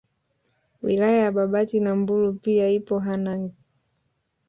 Wilaya ya Babati na Mbulu pia ipo Hanang